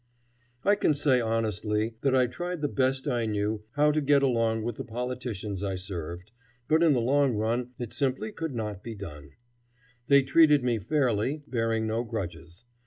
I can say honestly that I tried the best I knew how to get along with the politicians I served, but in the long run it simply could not be done. They treated me fairly, bearing no grudges.